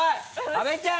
阿部ちゃん！